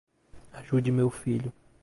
Ajude meu filho